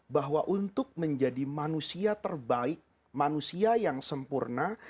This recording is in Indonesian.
bahwa untuk menjadi manusia terbaik manusia yang sempurna